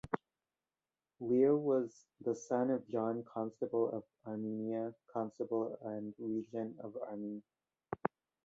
Leo was the son of John constable of Armenia, Constable and Regent of Armenia.